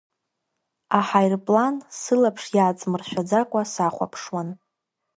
Аҳаирплан сылаԥш иааҵмыршәаӡакәа сахәаԥшуан.